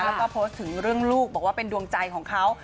แล้วก็โพสต์ถึงเรื่องลูกบอกว่าเป็นดวงใจของเขา